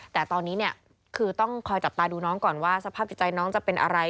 แต่ตอนนี้เนี่ยคือต้องคอยจับตาดูน้องก่อนว่าสภาพจิตใจน้องจะเป็นอะไร